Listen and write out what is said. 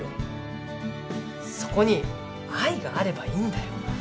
そこに愛があればいいんだよ。